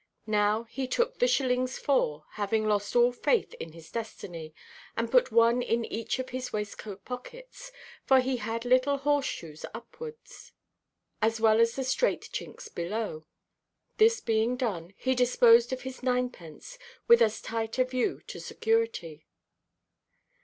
Now he took the shillings four, having lost all faith in his destiny, and put one in each of his waistcoat pockets; for he had little horse–shoes upwards, as well as the straight chinks below. This being done, he disposed of his ninepence with as tight a view to security.